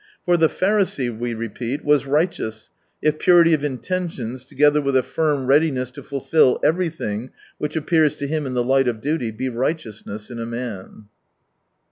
For the Pharisee, we repeat, was righteous, if purity of inten tions, together with a firm readiness to fulfil everything which appears.to him in the light of duty, be right^ousiiess in a man.